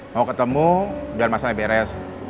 mau ketemu biar masalahnya beres